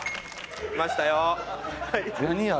きましたよ。